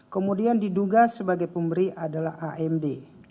kemudian diduga sebagai pemberi adalah amd